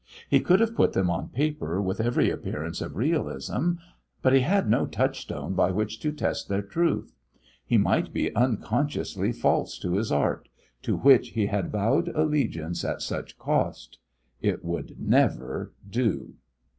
He could have put them on paper with every appearance of realism. But he had no touchstone by which to test their truth. He might be unconsciously false to his art, to which he had vowed allegiance at such cost! It would never do.